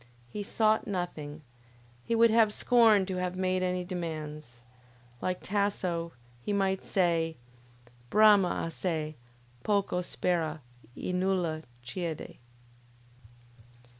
He sought nothing; he would have scorned to have made any demands. Like Tasso, he might say: Brama assai, poco spera, e nulla chiede.